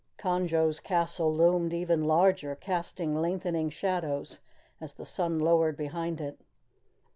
Conjo's castle loomed even larger, casting lengthening shadows, as the sun lowered behind it.